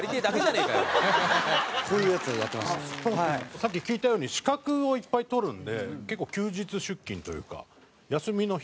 さっき聞いたように資格をいっぱい取るんで結構休日出勤というか休みの日に結構。